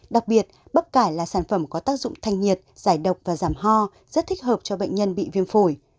đặc biệt bắp cải là sản phẩm có tác dụng thanh nhiệt giải độc và giảm ho rất thích hợp cho bệnh nhân bị viêm phổi